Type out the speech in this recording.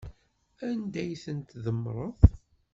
Anda ay ten-tdemmreḍ?